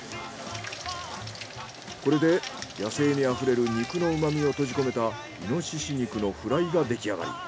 これで野性味あふれる肉のうまみを閉じ込めたイノシシ肉のフライが出来上がり。